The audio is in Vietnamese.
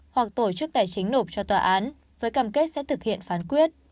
hoặc tổ chức tài chính nộp cho tòa án với cam kết sẽ thực hiện phán quyết